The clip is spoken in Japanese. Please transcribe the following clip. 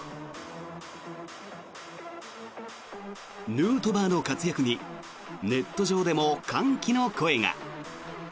ヌートバーの活躍にネット上でも歓喜の声が。